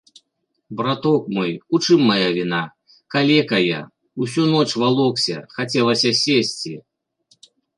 Браток мой, у чым мая віна, калека я, усю ноч валокся, хацелася сесці.